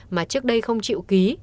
mà trước đây không chịu ký